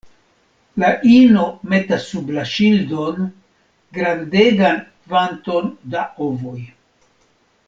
La ino metas sub la ŝildon grandegan kvanton da ovoj.